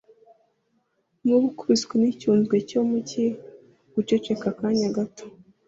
nk’ubukubiswe n’icyunzwe cyo mu cyi guceceka akanya gato